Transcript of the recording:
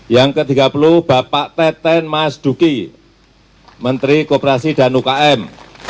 yang ke tiga puluh bapak teten mas duki menteri koperasi danu km